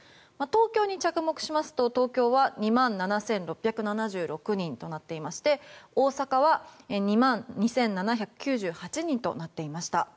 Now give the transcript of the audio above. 東京に着目しますと２万７６７６人となっていまして大阪は２万２７９８人となっていました。